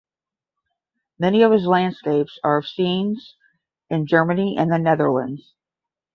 Many of his landscapes are of scenes in Germany and the Netherlands.